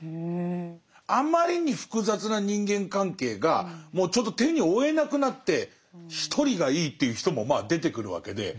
あまりに複雑な人間関係がもうちょっと手に負えなくなって一人がいいっていう人もまあ出てくるわけで。